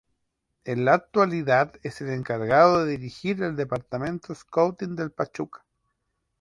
En la actualidad es el encargado de dirigir el departamento scouting del Pachuca.